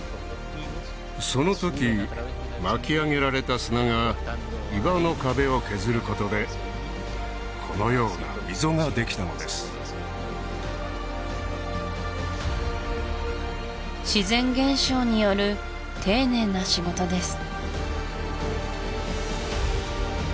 その時巻き上げられた砂が岩の壁を削ることでこのような溝ができたのです自然現象による丁寧な仕事です